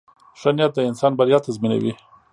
• ښه نیت د انسان بریا تضمینوي.